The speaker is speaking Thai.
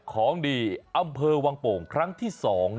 ของดีอำเภอวังโป่งครั้งที่๒